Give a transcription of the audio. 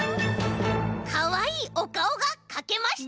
かわいいおかおがかけました！